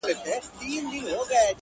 زما درد پکې له هر سړي نه زیات دی